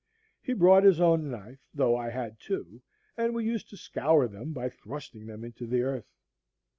He brought his own knife, though I had two, and we used to scour them by thrusting them into the earth.